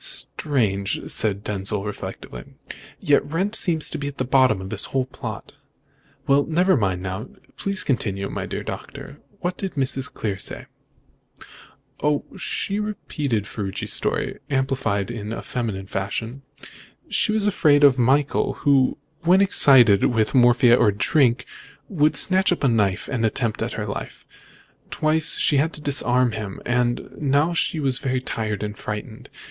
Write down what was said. "Strange!" said Denzil reflectively. "Yet Wrent seems to be at the bottom of the whole plot. Well, never mind, just now. Please continue, my dear Doctor. What did Mrs. Clear say?" "Oh, she repeated Ferruci's story, amplified in a feminine fashion. She was afraid of Michael, who, when excited with morphia or drink, would snatch up a knife to attempt her life. Twice she had disarmed him, and now she was tired and frightened.